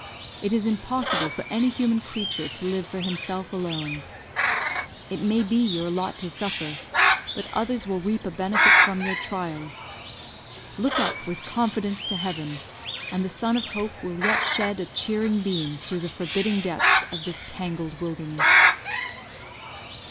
It is impossible for any human creature to live for himself alone. It may be your lot to suffer, but others will reap a benefit from your trials. Look up with confidence to Heaven, and the sun of hope will yet shed a cheering beam through the forbidding depths of this tangled wilderness."